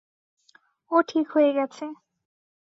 ও ঠিক হয়ে গেছে।